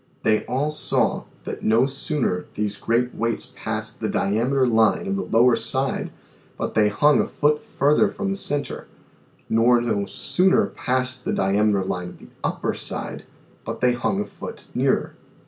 They all saw, that no sooner these great Weights passed the Diameter line of the lower side, but they hung a foot further from the Centre, nor no sooner passed the Diameter line of the upper side, but they hung a foot nearer.